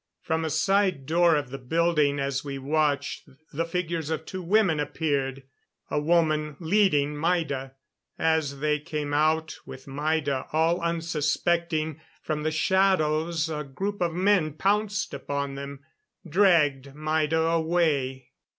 From a side door of the building, as we watched, the figures of two women appeared. A woman leading Maida. As they came out, with Maida all unsuspecting, from the shadows a group of men pounced upon them dragged Maida away.